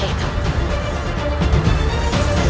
untuk membuatnya terakhir